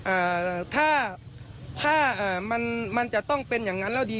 อ่าถ้าถ้าอ่ามันมันจะต้องเป็นอย่างนั้นแล้วดี